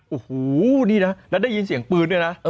โอ้โหนี่นะแล้วได้ยินเสียงปืนด้วยนะ